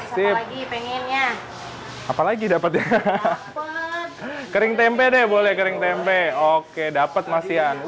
siapa lagi pengennya apa lagi dapatnya dapat kering tempe deh boleh kering tempe oke dapat masian